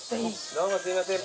どうもすいません